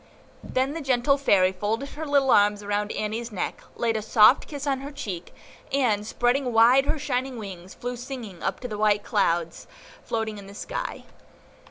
Then the gentle Fairy folded her little arms around Annie's neck, laid a soft kiss on her cheek, and, spreading wide her shining wings, flew singing up among the white clouds floating in the sky.